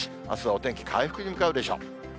あすはお天気回復に向かうでしょう。